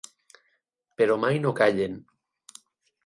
Però mai no callen.